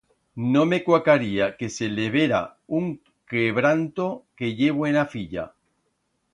No me cuacaría que se levera un quebranto, que ye buena filla.